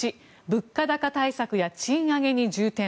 １物価高対策や賃上げに重点。